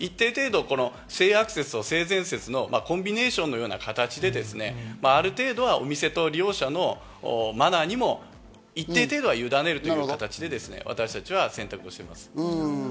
我々としては一定程度、性悪説と性善説のコンビネーションのような形である程度、お店と利用者のマナーにも一定程度ゆだねるという形で私たちは選択しています。